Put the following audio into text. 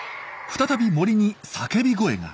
再び森に叫び声が。